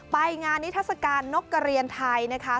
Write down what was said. ไปงานนิทัศกาลนกกระเรียนไทยนะคะ